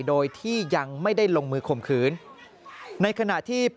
โดยที่ยังไม่ได้ลงมือคมคืน